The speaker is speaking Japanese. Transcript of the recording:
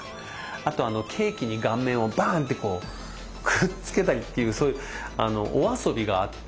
あとケーキに顔面をバンってこうくっつけたりっていうそういうお遊びがあって。